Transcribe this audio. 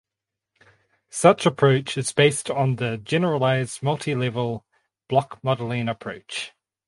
Such approach is based on the generalized multilevel blockmodeling approach.